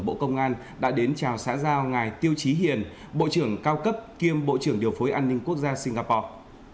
bộ công an đã đến chào xã giao ngài tiêu chí hiền bộ trưởng cao cấp kiêm bộ trưởng điều phối an ninh quốc gia singapore